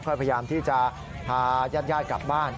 พยายามที่จะพาญาติกลับบ้าน